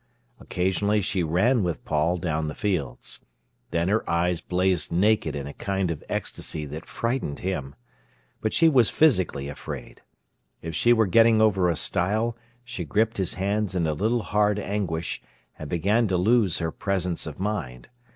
Occasionally she ran with Paul down the fields. Then her eyes blazed naked in a kind of ecstasy that frightened him. But she was physically afraid. If she were getting over a stile, she gripped his hands in a little hard anguish, and began to lose her presence of mind.